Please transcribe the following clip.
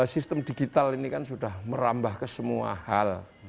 sistem digital ini kan sudah merambah ke semua hal